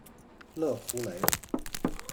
勒图雷。